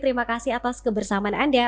terima kasih atas kebersamaan anda